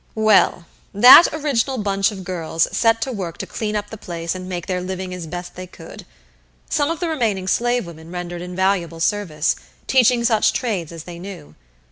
Well that original bunch of girls set to work to clean up the place and make their living as best they could. Some of the remaining slave women rendered invaluable service, teaching such trades as they knew.